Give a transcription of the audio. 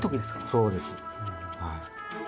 そうですはい。